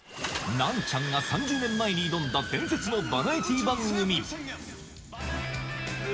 ナンチャンが３０年前に挑んだ伝説のバラエティー番組。